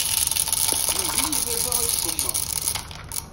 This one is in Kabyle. Yugi-iyi baba ad cummeɣ.